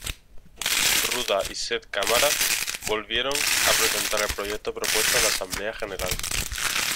Ruda y Sette Câmara volvieron a presentar el proyecto propuesto en la Asamblea General.